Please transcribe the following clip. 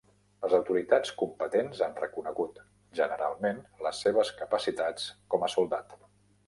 Les autoritats competents han reconegut generalment les seves capacitats com a soldat.